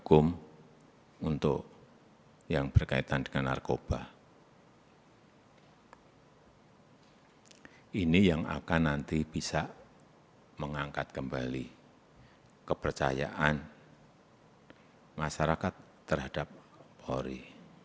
hukum untuk yang berkaitan dengan narkoba ini yang akan nanti bisa mengangkat kembali kepercayaan masyarakat terhadap polri